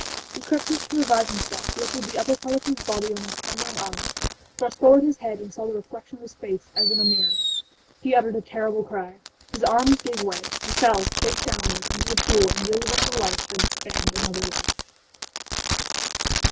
He crept to it to revive himself, lifted the upper part of his body on his trembling arms, thrust forward his head and saw the reflection of his face, as in a mirror. He uttered a terrible cry. His arms gave way; he fell, face downward, into the pool and yielded up the life that had spanned another life.